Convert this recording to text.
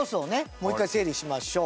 もう１回整理しましょう。